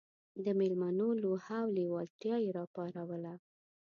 د مېلمنو لوهه او لېوالتیا یې راپاروله.